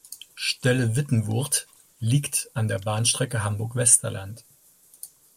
Stelle-Wittenwurth liegt an der Bahnstrecke Hamburg-Westerland.